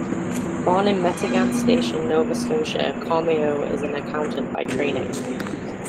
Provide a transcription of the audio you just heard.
Born in Meteghan Station, Nova Scotia, Comeau is an accountant by training.